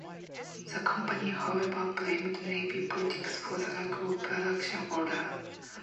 The company, however, blamed Navy politics for the lack of a production order.